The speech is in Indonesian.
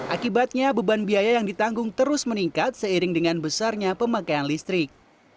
akibatnya beban biaya yang ditanggung terus meningkat seiring dengan besarnya pemakaian listrik